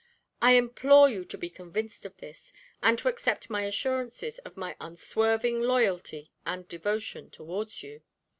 I implore you to be convinced of this, and to accept my assurances of my unswerving loyalty and devotion towards you."